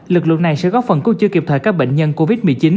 lực lượng này sẽ góp phần cũng chưa kịp thời các bệnh nhân covid một mươi chín